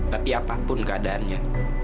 tapi apapun keadaannya